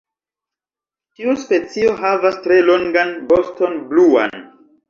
Tiu specio havas tre longan voston bluan.